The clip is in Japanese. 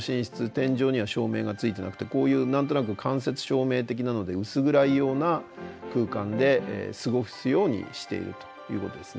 天井には照明がついてなくてこういう何となく間接照明的なので薄暗いような空間で過ごすようにしているということですね。